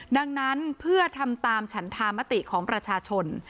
ดังนั้นเพื่อทำตามฉันธามติของประชาชน